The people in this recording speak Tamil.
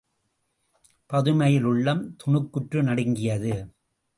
பதுமையின் உள்ளம் துணுக்குற்று நடுங்கியது.